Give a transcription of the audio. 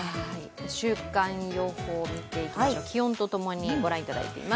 週間予報を見ていきましょう、気温と共にご覧いただいています。